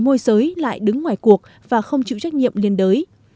môi giới lại đứng ngoài cuộc và không chịu trách nhiệm liên đới